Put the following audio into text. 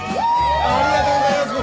ありがとうございます。